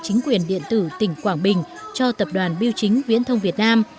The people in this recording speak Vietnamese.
chính quyền điện tử tỉnh quảng bình cho tập đoàn biêu chính viễn thông việt nam